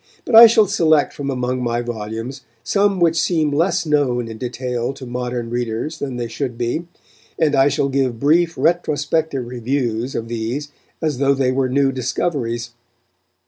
But I shall select from among my volumes some which seem less known in detail to modern readers than they should be, and I shall give brief "retrospective reviews" of these as though they were new discoveries.